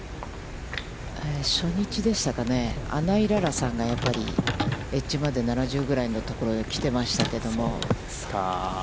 初日でしたかね、穴井詩さんがエッジまで７０ぐらいのところへ来てましたけども。